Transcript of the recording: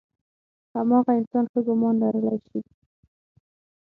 هماغه انسان ښه ګمان لرلی شي.